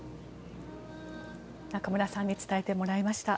中村さんに伝えてもらいました。